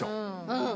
うん。